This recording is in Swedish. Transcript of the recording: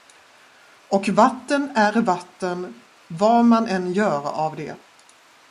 Och vatten är vatten, var man än gör av det.